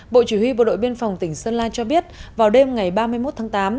bộ chỉ huy bộ đội biên phòng tỉnh sơn la cho biết vào đêm ngày ba mươi một tháng tám